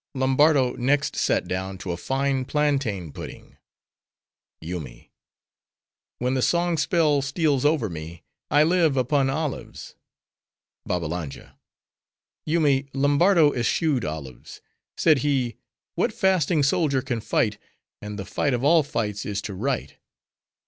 Lombardo next sat down to a fine plantain pudding. YOOMY—When the song spell steals over me, I live upon olives. BABBALANJA—Yoomy, Lombardo eschewed olives. Said he, "What fasting soldier can fight? and the fight of all fights is to write."